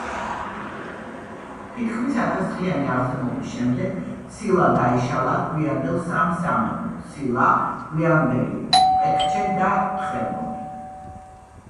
თითქმის ათასწლიანი არსებობის შემდეგ სილა დაიშალა გვიანდელ სამ სამეფოდ: სილა, გვიანდელი პექჩე და ტხებონი.